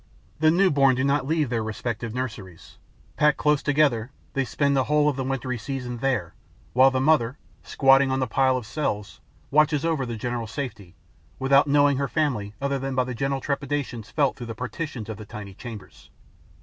The new born do not leave their respective nurseries. Packed close together, they spend the whole of the wintry season there, while the mother, squatting on the pile of cells, watches over the general safety, without knowing her family other than by the gentle trepidations felt through the partitions of the tiny chambers.